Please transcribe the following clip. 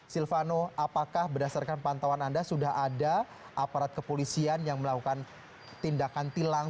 silvano apakah berdasarkan pantauan anda sudah ada aparat kepolisian yang melakukan tindakan tilang